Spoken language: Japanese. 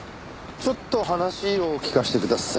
ちょっと話を聞かせてください。